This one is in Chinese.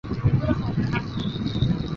圆果木姜子为樟科木姜子属下的一个种。